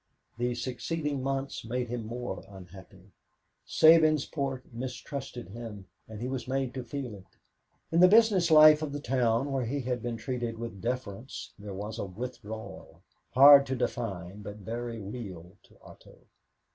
The succeeding months made him more unhappy. Sabinsport mistrusted him, and he was made to feel it. In the business life of the town where he had been treated with deference there was a withdrawal, hard to define but very real to Otto.